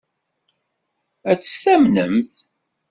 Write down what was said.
Ad tt-tamnemt?